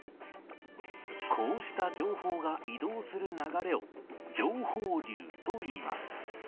こうした情報が移動する流れを情報流といいます。